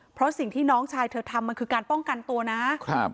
เพราะสิ่งที่น้องชายเธอทำมันคือการป้องกันตัวนะครับ